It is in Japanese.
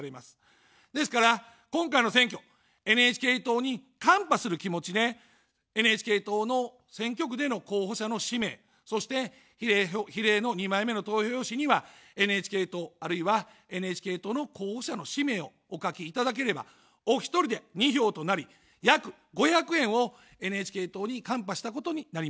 ですから、今回の選挙、ＮＨＫ党にカンパする気持ちで、ＮＨＫ党の選挙区での候補者の氏名、そして比例の２枚目の投票用紙にはＮＨＫ党、あるいはＮＨＫ党の候補者の氏名をお書きいただければ、お一人で２票となり、約５００円をＮＨＫ党にカンパしたことになります。